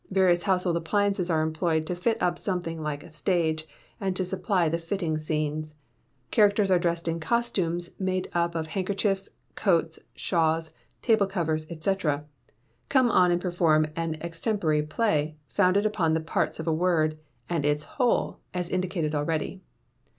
Various household appliances are employed to fit up something like a stage, and to supply the fitting scenes. Characters dressed in costumes made up of handkerchiefs, coats, shawls, table covers, &c., come on and perform an extempore play, founded upon the parts of a word, and its whole, as indicated already.